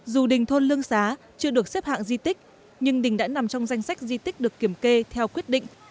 dù đình thôn lương xá chưa được xếp hạng di tích nhưng đình đã nằm trong danh sách di tích được kiểm kê theo quyết định